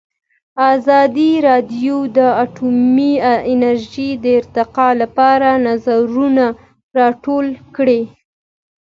ازادي راډیو د اټومي انرژي د ارتقا لپاره نظرونه راټول کړي.